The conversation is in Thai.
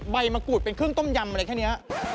ใบมะกรูดเป็นเครื่องต้มยำอะไรแค่นี้